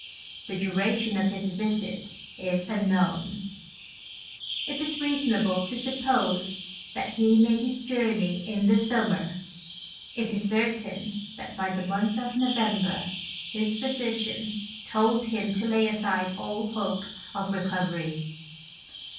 The duration of his visit is un known ; it is reasonable to suppose that he made his journey in the summer, it is certain that by the month of November his physician told him to lay aside all hope of recovery.